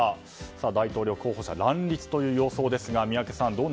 大統領候補者が乱立という様相ですが、宮家さん